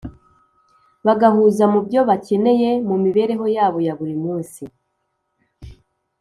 bagahuza mu byo bakeneye mu mibereho yabo ya buri munsi.